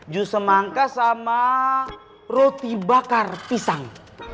jus semangka sama roti bakar pisang